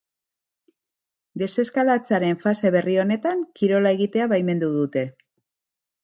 Deseskalatzearen fase berri honetan, kirola egitea baimendu dute.